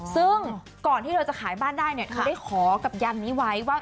ซึ่งก่อนที่เธอจะขายบ้านได้เนี่ยเธอได้ขอกับยันนี้ไว้ว่า